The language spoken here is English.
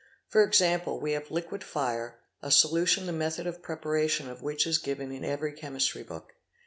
For example we have liquid fire, a solution the method of preparation of which is given in every chemistry book.